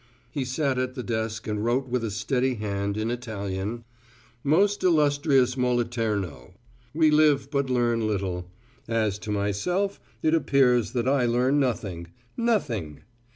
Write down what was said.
He sat at the desk and wrote with a steady hand in Italian: MOST ILLUSTRIOUS MOLITERNO: We live but learn little. As to myself it appears that I learn nothing nothing!